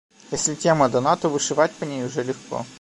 Если тема дана, то вышивать по ней уже легко.